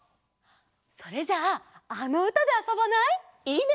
それじゃああのうたであそばない？いいね！